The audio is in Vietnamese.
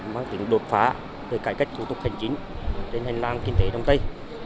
mang tính đột phá về cải cách thủ tục hành chính trên hành lang kinh tế đông tây